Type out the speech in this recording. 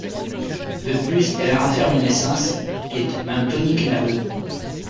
De plus elle renferme une essence qui est un tonique nerveux.